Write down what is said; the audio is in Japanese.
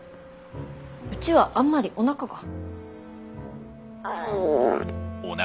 うちはあんまりおなかが。